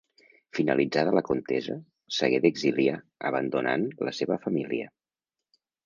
Finalitzada la contesa s'hagué d'exiliar, abandonant la seva família.